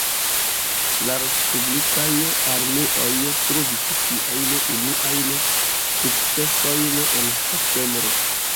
La respublikaj armeoj trovis siajn unuajn sukcesojn en septembro.